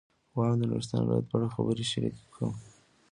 غواړم د نورستان ولایت په اړه خبرې شریکې کړم.